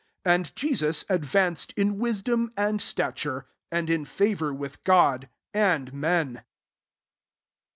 52 And Jesus advanc ed in wisdom and stature^ and in favour with God and men, Ch.